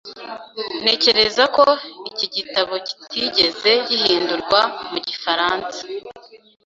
Ntekereza ko iki gitabo kitigeze gihindurwa mu gifaransa .